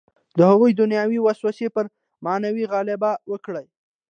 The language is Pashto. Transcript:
د هغوی دنیوي وسوسې پر معنوي غلبه وکړي.